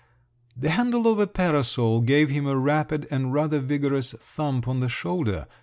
The handle of a parasol gave him a rapid, and rather vigorous, thump on the shoulder.